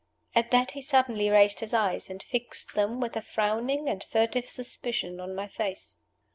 At that he suddenly raised his eyes, and fixed them with a frowning and furtive suspicion on my face.